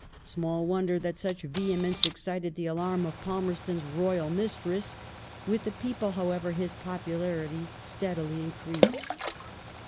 ^ Small wonder that such vehemence excited the alarm of Palmei'ston's Royal mistress ; with the people, however, his popularity steadily in creased.